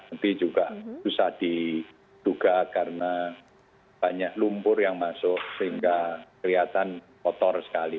tapi juga susah diduga karena banyak lumpur yang masuk sehingga kelihatan kotor sekali